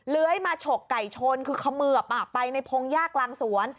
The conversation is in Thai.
เล้ยมาฉกไก่ชนคือเขมือบไปในพงหญ้ากลางสวน